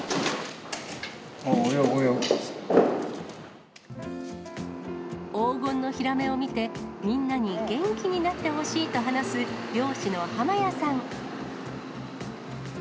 おお、黄金のヒラメを見て、みんなに元気になってほしいと話す漁師の濱谷さん。